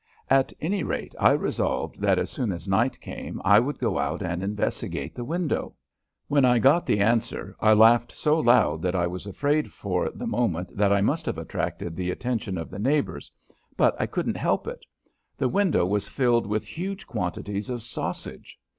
At any rate, I resolved that as soon as night came I would go out and investigate the window. When I got the answer I laughed so loud that I was afraid for the moment I must have attracted the attention of the neighbors, but I couldn't help it. The window was filled with huge quantities of sausage.